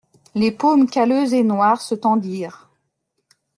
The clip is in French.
Les paumes calleuses et noires se tendirent.